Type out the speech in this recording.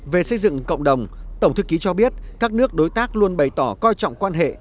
về xây dựng cộng đồng tổng thư ký cho biết các nước đối tác luôn bày tỏ coi trọng quan hệ